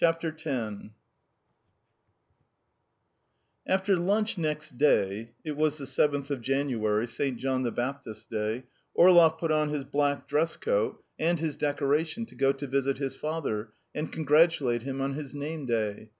X[edit] After lunch next day it was the seventh of January, St. John the Baptist's Day Orlov put on his black dress coat and his decoration to go to visit his father and congratulate him on his name day.